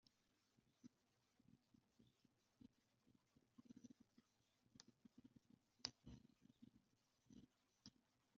El juego será free to play.